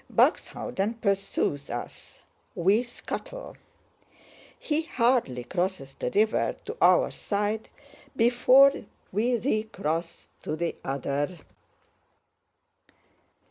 Buxhöwden pursues us—we scuttle. He hardly crosses the river to our side before we recross to the other.